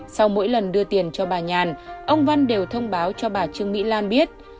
sau mỗi lần đưa tiền cho bà nhàn ông văn đều thông báo cho bà trương mỹ lan biết